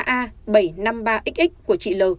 bốn mươi ba a bảy trăm năm mươi ba xx của chị l